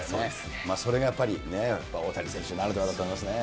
それがやっぱりね、大谷選手ならではだと思いますね。